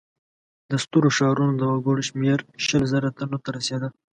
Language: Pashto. د سترو ښارونو د وګړو شمېر شل زره تنو ته رسېده.